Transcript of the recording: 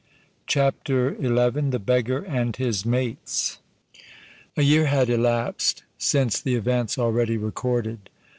CHAPTER XI. THE BEGGAR AND HIS MATES. A year had elapsed since the events already recorded.